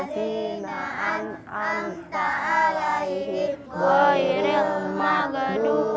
berada di luar buku fandio